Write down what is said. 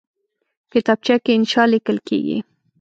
کتابچه کې انشاء لیکل کېږي